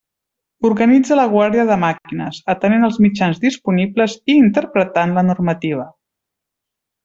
Organitza la guàrdia de màquines, atenent els mitjans disponibles i interpretant la normativa.